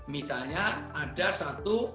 misalnya ada satu